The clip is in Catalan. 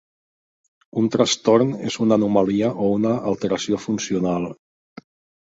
Un trastorn és una anomalia o una alteració funcional.